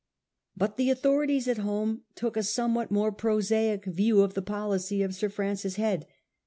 But the authorities at home took a somewhat more prosaic view of the policy of Sir Francis Head.